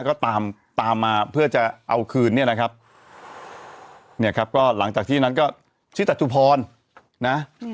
ก็ตามตามมาเพื่อจะเอาคืนเนี่ยนะครับเนี่ยครับก็หลังจากที่นั้นก็ชื่อจตุพรนะ